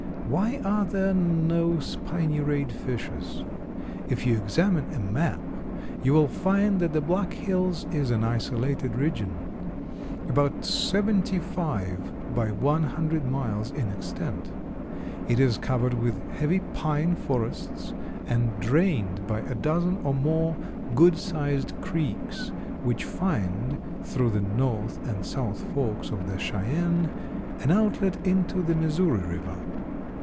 Why are there no spiny rayed fishes? If you examine a map you will find that the Black Hills is an isolated region, about seventy five by one hundred miles in extent. It is covered with heavy pine forests and drained by a dozen or more good sized creeks, which find, through the north and south forks of the Cheyenne, an outlet into the Missouri river.